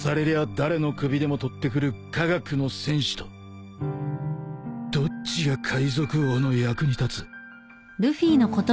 誰の首でも取ってくる科学の戦士とどっちが海賊王の役に立つ？